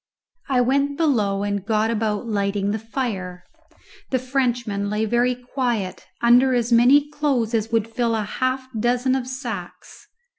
I went below and got about lighting the fire. The Frenchman lay very quiet, under as many clothes as would fill a half dozen of sacks.